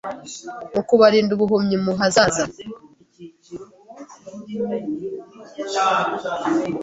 mu kubarinda ubuhumyi mu hazaza